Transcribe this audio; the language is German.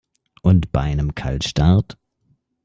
Und bei einem Kaltstart?